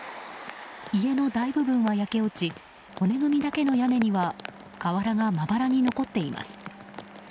家の大部分は焼け落ち骨組みだけの屋根には瓦がまばらに残っています。